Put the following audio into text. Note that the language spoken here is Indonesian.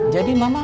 jadi mama gak